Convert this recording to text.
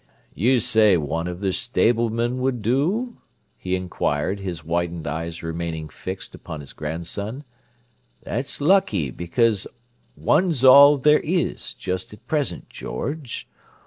"You say one of the stablemen would do?" he inquired, his widened eyes remaining fixed upon his grandson. "That's lucky, because one's all there is, just at present, George.